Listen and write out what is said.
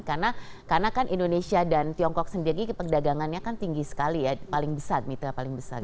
karena kan indonesia dan tiongkok sendiri perdagangannya kan tinggi sekali ya paling besar mitra paling besar saat ini